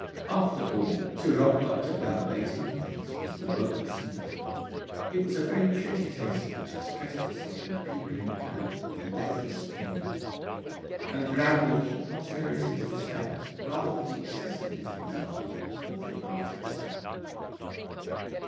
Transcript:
After all, to rob Dr. Bell of eighteenpence was the work of a simpleton. It was a very pretty taste which expressed itself in a pea green coat and deathless strings; and Rann will keep posterity's respect rather for the accessories of his art than for the art itself.